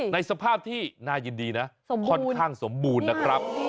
ในสภาพที่น่ายินดีนะค่อนข้างสมบูรณ์นะครับ